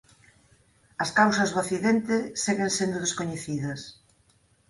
As causas do accidente seguen sendo descoñecidas.